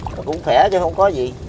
mà cũng khỏe chứ không có gì